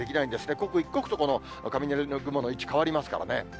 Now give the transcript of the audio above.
刻一刻と雷雲の位置、変わりますからね。